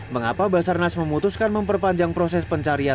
mengapa basarnas memutuskan memperpanjang proses pencarian